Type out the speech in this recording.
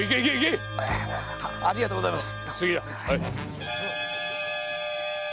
ありがとうございます。